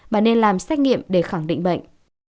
mà nên làm xét nghiệm để khẳng định bệnh